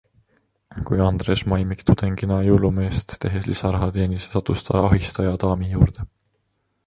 Kui Andres Maimik tudengina jõulumeest tehes lisaraha teenis, sattus ta ahistajadaami juurde.